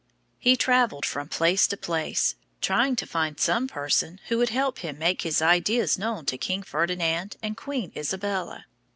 He traveled from place to place, trying to find some person who would help him make his ideas known to King Ferdinand and Queen Isabella.